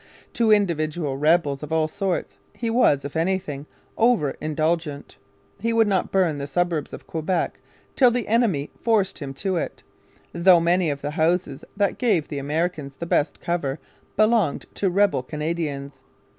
To individual rebels of all sorts he was, if anything, over indulgent. He would not burn the suburbs of Quebec till the enemy forced him to it, though many of the houses that gave the Americans the best cover belonged to rebel Canadians.